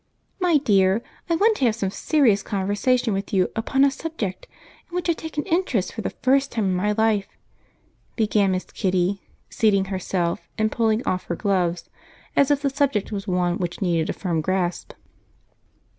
"My dear, I want to have some serious conversation with you upon a subject in which I take an interest for the first time in my life," began Miss Kitty, seating herself and pulling off her gloves as if the subject was one which needed a firm grasp.